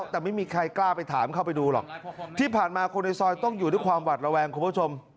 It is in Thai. แต่ไม่มีใครกล้าไปถามเข้าไปดูหรอกที่ผ่านมาคนในซอยต้องอยู่ด้วยความหวัดระแวงคุณผู้ชม